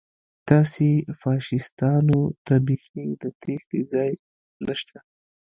تاسې فاشیستانو ته بیخي د تېښتې ځای نشته